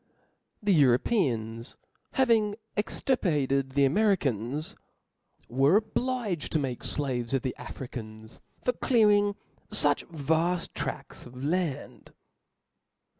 The Europeans, having e3ttirpated the Amcri 'y^.'^ caus, were obliged to make flaves of the Africans, ^ap* $• for clearing fuch vaft trafts of land.